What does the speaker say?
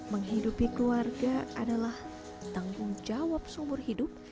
menghidupi keluarga adalah tanggung jawab seumur hidup